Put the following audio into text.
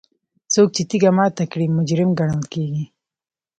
څوک چې تیږه ماته کړي مجرم ګڼل کیږي.